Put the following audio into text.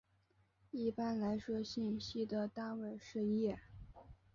一般来说信息的单位是页。